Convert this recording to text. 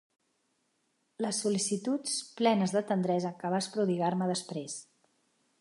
Les sol·licituds plenes de tendresa que vas prodigar-me després.